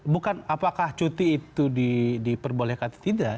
bukan apakah cuti itu diperbolehkan atau tidak